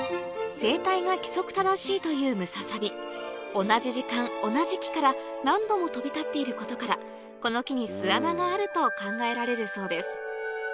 生態が規則正しいというムササビ同じ時間同じ木から何度も飛び立っていることからこの木に巣穴があると考えられるそうです